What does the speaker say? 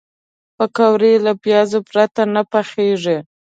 پکورې له پیازو پرته نه پخېږي